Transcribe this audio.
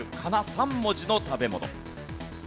３文字の食べ物。